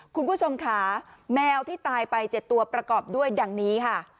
คุณผู้ชมค่ะแมวที่ตายไป๗ตัวประกอบด้วยดังนี้ค่ะ